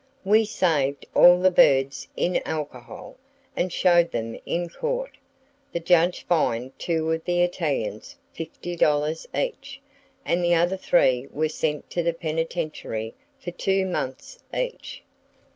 We saved all the birds in alcohol, and showed them in court. The judge fined two of the Italians $50 each, and the other three were sent to the penitentiary for two months each.